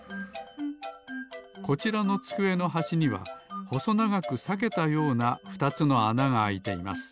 こちらのつくえのはしにはほそながくさけたような２つのあながあいています。